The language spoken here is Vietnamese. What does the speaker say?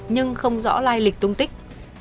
nhưng không rõ lai lịch tung tích